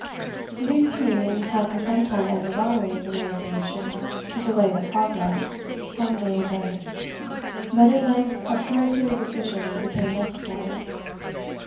These communings had for some time ended always in a resolution to delay the Progress from day to day. But at length a peremptory decision became necessary.